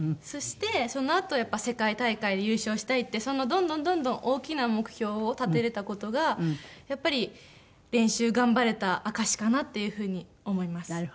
そしてそのあとやっぱり世界大会で優勝したいってどんどんどんどん大きな目標を立てられた事がやっぱり練習頑張れた証しかなっていうふうに思います。